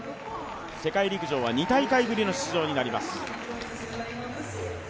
世界陸上は２大会ぶりの出場になります。